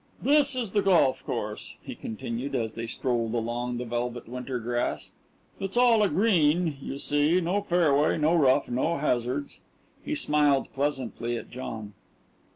"This is the golf course," he continued, as they strolled along the velvet winter grass. "It's all a green, you see no fairway, no rough, no hazards." He smiled pleasantly at John.